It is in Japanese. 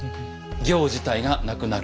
行自体がなくなる。